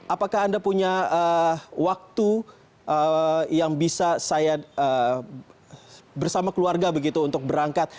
apakah anda punya waktu yang bisa saya bersama keluarga begitu untuk berangkat